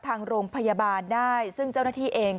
ทางโรงพยาบาลได้ซึ่งเจ้าหน้าที่เอง